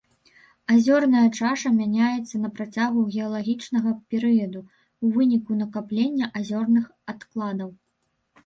Азёрная чаша мяняецца на працягу геалагічнага перыяду ў выніку накаплення азёрных адкладаў.